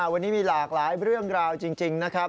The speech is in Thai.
วันนี้มีหลากหลายเรื่องราวจริงนะครับ